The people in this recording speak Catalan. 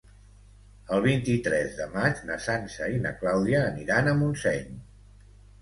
El vint-i-tres de maig na Sança i na Clàudia aniran a Montseny.